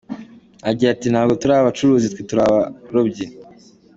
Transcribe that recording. Agira ati “Ntabwo turi abacuruzi twebwe turi abarobyi.